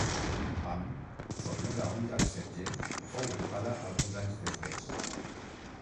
Bam, sotmesa a un llarg setge, fou ocupada alguns anys després.